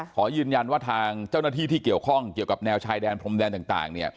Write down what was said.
ขอยืนยันว่าทางเจ้าหน้าที่ที่เกี่ยวข้องเกี่ยวกับแนวชายแดนพรมแดนต่าง